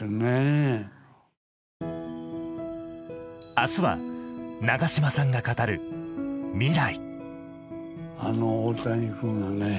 明日は、長嶋さんが語る未来。